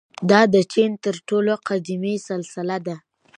• دا د چین تر ټولو قدیمي سلسله ده.